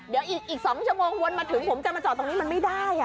เดี๋ยวอีก๒ชั่วโมงวนมาถึงผมจะมาจอดตรงนี้มันไม่ได้